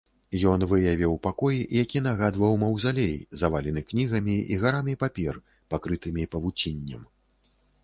Ён выявіў пакой, які нагадваў маўзалей, завалены кнігамі і гарамі папер, пакрытымі павуціннем.